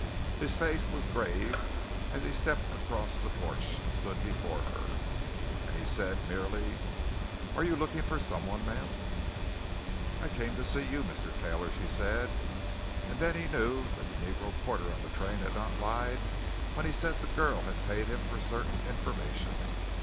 His face was grave as he stepped across the porch and stood before her. And he said merely: "Are you looking for someone, ma'am?" "I came to see you, Mr. Taylor," she said. (And then he knew that the negro porter on the train had not lied when he said the girl had paid him for certain information.)